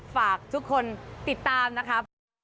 ฝากทุกคนติดตามนะครับ